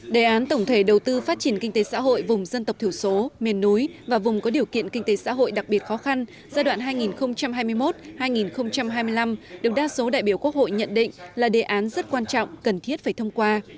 đề án tổng thể đầu tư phát triển kinh tế xã hội vùng dân tộc thiểu số miền núi và vùng có điều kiện kinh tế xã hội đặc biệt khó khăn giai đoạn hai nghìn hai mươi một hai nghìn hai mươi năm được đa số đại biểu quốc hội nhận định là đề án rất quan trọng cần thiết phải thông qua